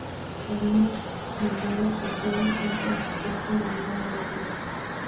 Los números menores que cero son por supuesto los números negativos.